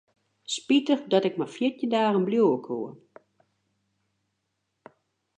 Spitich dat ik mar fjirtjin dagen bliuwe koe.